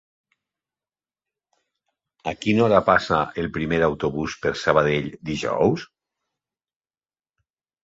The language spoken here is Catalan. A quina hora passa el primer autobús per Sabadell dijous?